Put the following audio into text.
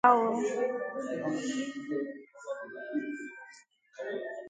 Dịka o siri kọwaa oge ọ na-agbape mmemme ahụ